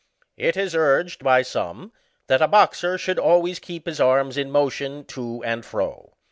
It is urged, by some, that a boxer should always keep his arms in motion to and fro.